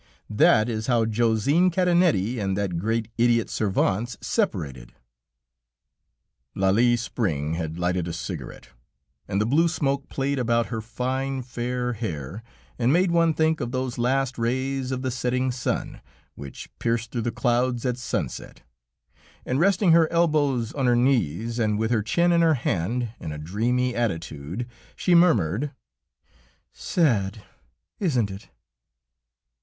That is how Josine Cadenette and that great idiot Servance separated." Lalie Spring had lighted a cigarette, and the blue smoke played about her fine, fair hair, and made one think of those last rays of the setting sun which pierce through the clouds at sunset, and resting her elbows on her knees, and with her chin in her hand in a dreamy attitude, she murmured: "Sad, isn't it?"